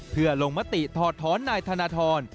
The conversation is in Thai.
เพื่อลงมติถอดถอนนายธนทร